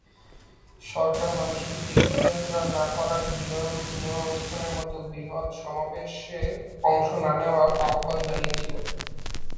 সরকার মানুষকে তীর্থযাত্রা না করার, বিবাহ ও সিনেমা অনুষ্ঠানের মতো বৃহৎ সমাবেশে অংশ না নেওয়ার আহ্বান জানিয়েছিল।